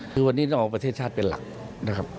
คือวันนี้เราเอาประเทศชาติเป็นหลักนะครับ